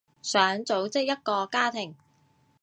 想組織一個家庭